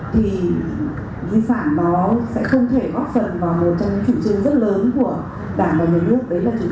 thì di sản đó sẽ không thể góp phần vào một trong những chủ trương rất lớn của đảng và nhà nước